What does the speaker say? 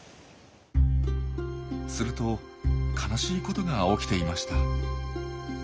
すると悲しいことが起きていました。